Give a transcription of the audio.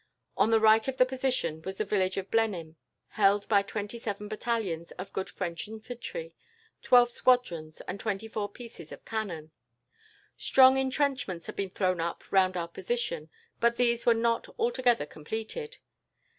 On the right of the position was the village of Blenheim, held by twenty seven battalions of good French infantry, twelve squadrons, and twenty four pieces of cannon. Strong entrenchments had been thrown up round our position, but these were not altogether completed.